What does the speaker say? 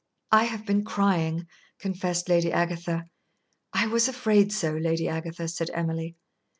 "I have been crying," confessed Lady Agatha. "I was afraid so, Lady Agatha," said Emily.